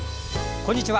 こんにちは。